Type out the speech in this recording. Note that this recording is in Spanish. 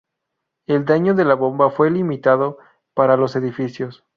El daño de la bomba fue limitado para los edificios.